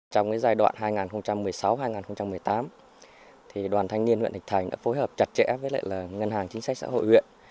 trong giai đoạn hai nghìn một mươi sáu hai nghìn một mươi tám đoàn thanh niên huyện thạch thành đã phối hợp chặt chẽ với ngân hàng chính sách xã hội huyện